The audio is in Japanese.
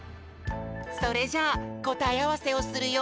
それじゃあこたえあわせをするよ。